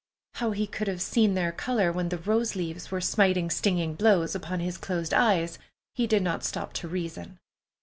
How he could have seen their color when the "rose leaves" were smiting stinging blows upon his closed eyes, he did not stop to reason.